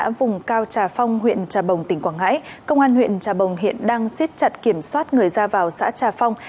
xã vùng cao trà phong huyện trà bồng tỉnh quảng ngãi công an huyện trà bồng hiện đang siết chặt kiểm soát người ra vào xã trà phong